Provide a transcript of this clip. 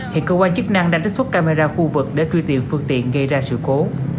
hiện cơ quan chức năng đang trích xuất camera khu vực để truy tìm phương tiện gây ra sự cố